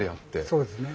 そうですね。